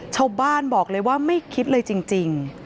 ชาวบ้านบอกเลยว่าไม่คิดเลยจริง